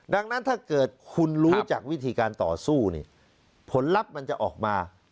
ดังนั้นถ้าเกิดคุณรู้จากวิธีการต่อสู้เนี่ยผลลัพธ์มันจะออกมา